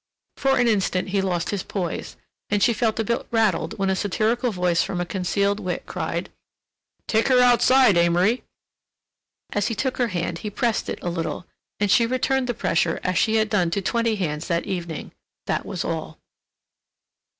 For an instant he lost his poise, and she felt a bit rattled when a satirical voice from a concealed wit cried: "Take her outside, Amory!" As he took her hand he pressed it a little, and she returned the pressure as she had done to twenty hands that evening—that was all.